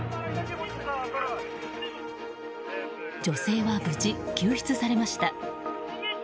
女性は無事、救出されました。